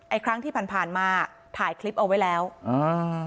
ครั้งที่ผ่านมาถ่ายคลิปเอาไว้แล้วอ่า